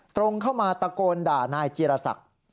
ตรงเข้ามาตะโกนด่านายจีรศักดิ์